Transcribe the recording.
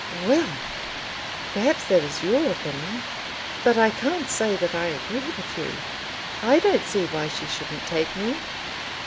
"Well! Perhaps that is your opinion, but I can't say that I agree with you. I don't see why she shouldn't take me.